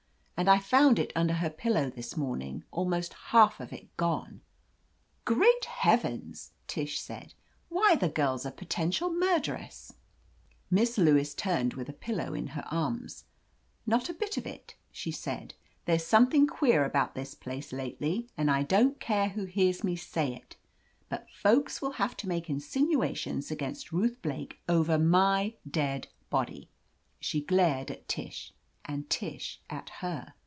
And I found' it under her pillow this morning, almost half of it gone !" "Great heavens!" Tish said. "Why, the girl's a potential murderess !" Miss Lewis turned, with a pillow in her arms. "Not a bit of it," she said. "There's something queer about this place lately, and I don't care who hears me say it. But folks will have to make insinuations against Ruth Blake over my dead body !" She glared at Tish, and Tish at her.